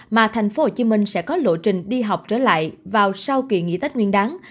mà thành phố hồ chí minh sẽ có lộ trình đi học trở lại vào sau kỳ nghỉ tách nguyên đáng